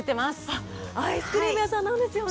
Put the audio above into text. あアイスクリーム屋さんなんですよね。